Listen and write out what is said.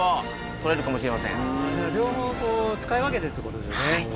両方こう使い分けてってことですよね。